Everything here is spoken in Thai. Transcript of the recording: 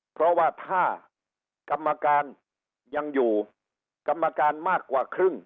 เพราะว่าถ้ากรรมการยังอยู่กรรมการมากกว่าครึ่ง